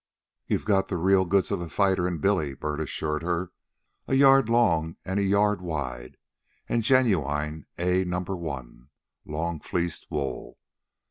"You've got the real goods of a fighter in Billy," Bert assured her; "a yard long and a yard wide and genuine A Number One, long fleeced wool.